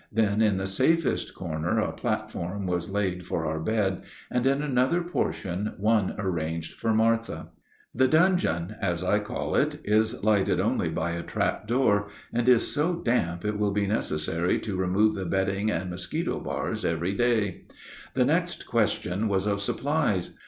Then in the safest corner a platform was laid for our bed, and in another portion one arranged for Martha. The dungeon, as I call it, is lighted only by a trap door, and is so damp it will be necessary to remove the bedding and mosquito bars every day. The next question was of supplies.